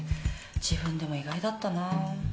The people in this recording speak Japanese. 自分でも意外だったな。